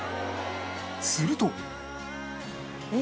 すると